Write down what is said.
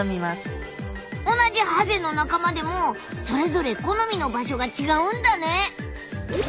同じハゼの仲間でもそれぞれ好みの場所が違うんだね。